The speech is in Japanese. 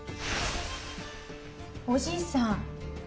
おじいさん